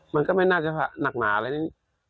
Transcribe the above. มันก็ไม่น่าจะหนักหนาอะไร